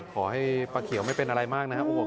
ขอให้ป้าเขียวไม่เป็นอะไรมากนะครับ